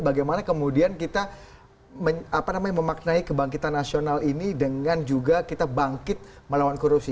bagaimana kemudian kita memaknai kebangkitan nasional ini dengan juga kita bangkit melawan korupsi